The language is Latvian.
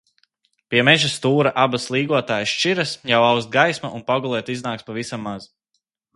Pie meža stūra abas līgotājas šķiras, jau aust gaisma un pagulēt iznāks pavisam maz.